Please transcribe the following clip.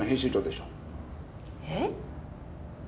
えっ？